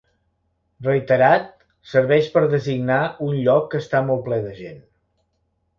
Reiterat, serveix per designar un lloc que està molt ple de gent.